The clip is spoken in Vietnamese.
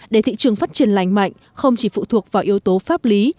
để thị trường phát triển lành mạnh không chỉ phụ thuộc vào yếu tố pháp lý